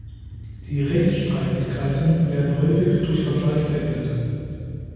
Die Rechtsstreitigkeiten werden häufig durch Vergleich beendet.